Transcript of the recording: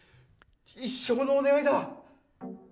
一生のお願いだ。